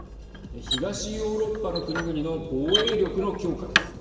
東ヨーロッパの国々の防衛力の強化です。